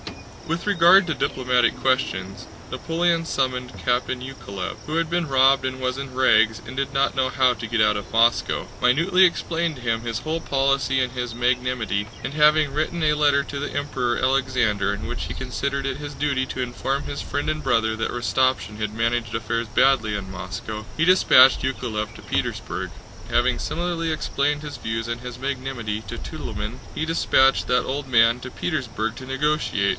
With regard to diplomatic questions, Napoleon summoned Captain Yákovlev, who had been robbed and was in rags and did not know how to get out of Moscow, minutely explained to him his whole policy and his magnanimity, and having written a letter to the Emperor Alexander in which he considered it his duty to inform his Friend and Brother that Rostopchín had managed affairs badly in Moscow, he dispatched Yákovlev to Petersburg. Having similarly explained his views and his magnanimity to Tutólmin, he dispatched that old man also to Petersburg to negotiate.